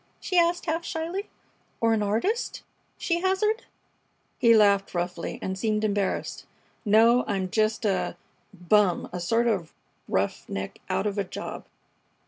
she asked, half shyly. "Or an artist?" she hazarded. He laughed roughly and seemed embarrassed. "No, I'm just a bum! A sort of roughneck out of a job."